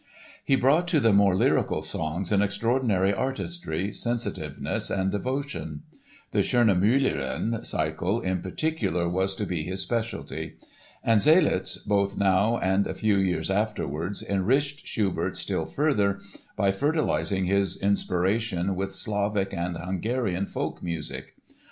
He brought to the more lyrical songs an extraordinary artistry, sensitiveness and devotion. The Schöne Müllerin cycle in particular was to be his specialty. And Zseliz, both now and a few years afterwards, enriched Schubert still further by fertilizing his inspiration with Slavic and Hungarian folk music.